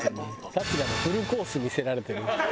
春日のフルコース見せられてる。